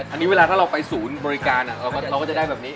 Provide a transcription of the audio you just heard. อันนี้เวลาถ้าเราไปศูนย์บริการเขาก็จะได้แบบนี้